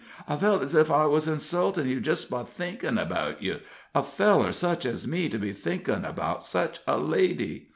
I felt as if I was insultin' you just by thinkin' about you a feller such as me to be thinking about such a lady.